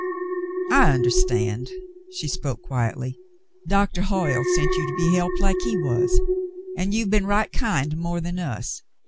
"I understand." She spoke quietly. "Doctor Hoyle sent you to be helped like he was — and you have been right kind to more than us.